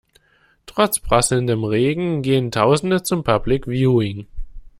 Trotz prasselndem Regen gehen tausende zum Public Viewing.